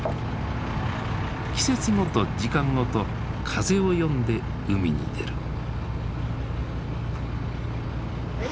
季節ごと時間ごと風を読んで海に出る。